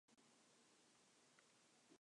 The regimental march was "John Peel".